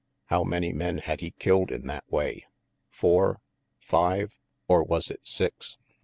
How many men had he killed in that way? Four five or was it six?